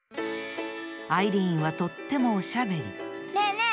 アイリーンはとってもおしゃべりねえねえ